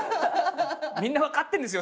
みんな分かってるんですよ